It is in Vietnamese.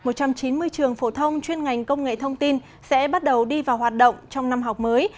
một trăm chín mươi trường phổ thông chuyên ngành công nghệ thông tin sẽ bắt đầu đi vào hoạt động trong năm học mới